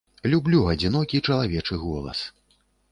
Люблю адзінокі чалавечы голас.